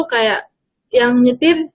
kayak yang nyetir